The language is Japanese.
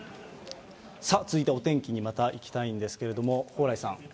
さあ、続いてはお天気に、またいきたいんですけれども、蓬莱さん。